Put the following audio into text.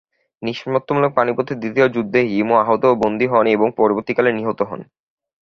নিষ্পত্তিমূলক পানিপথের দ্বিতীয় যুদ্ধে হিমু আহত ও বন্দি হন এবং পরবর্তীকালে নিহত হন।